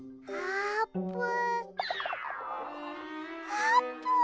あーぷん！